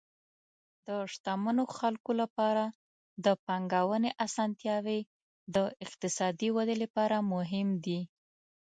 د شتمنو خلکو لپاره د پانګونې اسانتیاوې د اقتصادي ودې لپاره مهم دي.